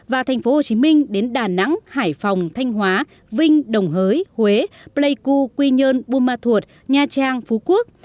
và tp hcm đến đà nẵng hải phòng thanh hóa vinh đồng hới huế pleiku quy nhơn bumathuot nha trang phú quốc